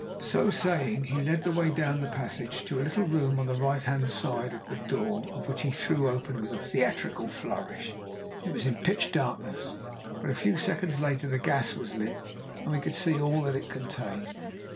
So saying he led the way down the passage to a little room on the right hand side, the door of which he threw open with a theatrical flourish. It was in pitch darkness, but a few seconds later the gas was lit and we could see all that it contained.